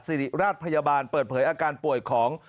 สิริราชพยาบาลเปิดเผยอาการป่วยของ